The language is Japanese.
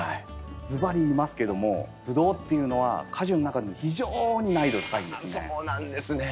ずばり言いますけどもブドウっていうのは果樹の中でも非常に難易度が高いんですね。